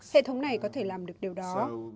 hệ thống này có thể làm được điều đó